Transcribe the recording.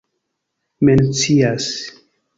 mencias